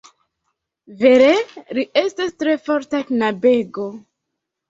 Vere li estas tre forta knabego.